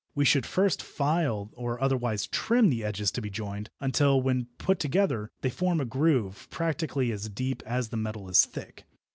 We should first file or otherwise trim the edges to be joined until when put together they form a groove practically as deep as the metal is thick.